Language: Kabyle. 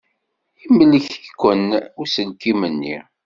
Imlek-iken uselkim-nni.